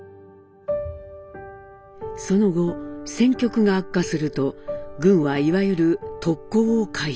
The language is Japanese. その後戦局が悪化すると軍はいわゆる「特攻」を開始。